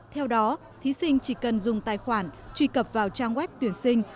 theo đó thí sinh chỉ cần dùng tài khoản truy cập vào trang web tuyển sinh